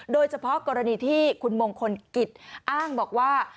โดยเฉพาะกรณีที่คุณมงคลกิจอ้างบอกว่า